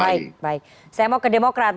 baik baik saya mau ke demokrat